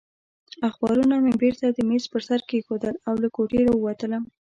اخبارونه مې بېرته د مېز پر سر کېښودل او له کوټې راووتلم.